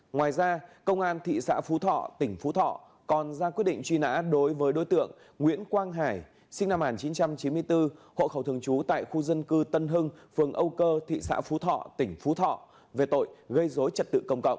ngoài ra công an thị xã phú thọ tỉnh phú thọ còn ra quyết định truy nã đối với đối tượng nguyễn quang hải sinh năm một nghìn chín trăm chín mươi bốn hộ khẩu thường trú tại khu dân cư tân hưng phường âu cơ thị xã phú thọ tỉnh phú thọ về tội gây dối trật tự công cộng